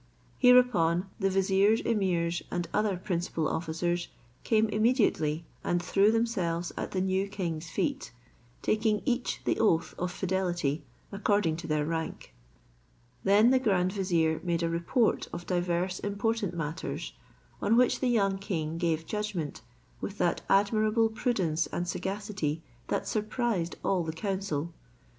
Hereupon the viziers, emirs, and other principal officers, came immediately and threw themselves at the new king's feet, taking each the oath of fidelity according to their rank. Then the grand vizier made a report of divers important matters, on which the young king gave judgment with that admirable prudence and sagacity that surprised all the council.